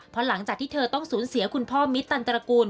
เพราะหลังจากที่เธอต้องสูญเสียคุณพ่อมิตตันตระกูล